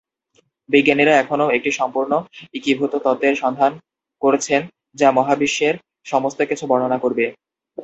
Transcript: বিজ্ঞানীরা এখনও একটি সম্পূর্ণ একীভূত তত্ত্বের সন্ধান করছেন যা মহাবিশ্বের সমস্ত কিছু বর্ণনা করবে।